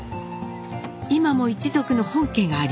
今も一族の本家があります。